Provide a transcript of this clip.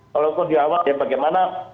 kalau itu diawat ya bagaimana